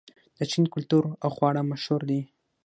د چین کلتور او خواړه مشهور دي.